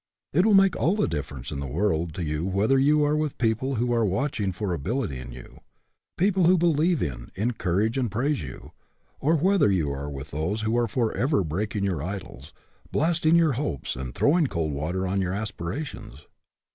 It will make all the difference in the world to you whether you are with people who are watching for ability in you, people who be lieve in, encourage, and praise you, or whether you are with those who are forever breaking your idols, blasting your hopes, and throwing cold water on your aspirations.